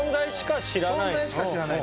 存在しか知らない。